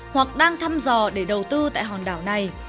hoặc đang thăm dò để đầu tư tại hòn đảo này